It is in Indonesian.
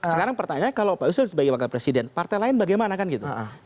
sekarang pertanyaannya kalau pak yusril sebagai wakil presiden partai lain bagaimana kan gitu